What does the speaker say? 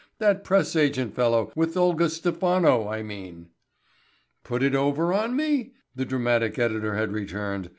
"That press agent fellow with Olga Stephano, I mean." "Put it over on me?" the dramatic editor had returned.